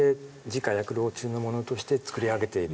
自家薬籠中の物として作り上げている。